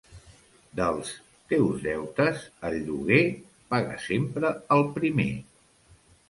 Dels teus deutes, el lloguer, paga sempre el primer.